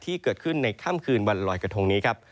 ที่เกิดขึ้นในค่ำคืนวันลอยกระทงนี้ครับ